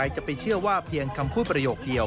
จะไปเชื่อว่าเพียงคำพูดประโยคเดียว